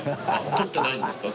取ってないんですか？